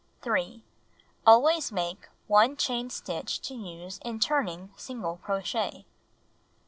3. Always make 1 chain stitch to use in turning single crochet.